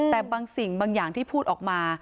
แต่บางสิ่งบางอย่างที่พูดออกมา